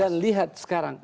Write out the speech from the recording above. dan lihat sekarang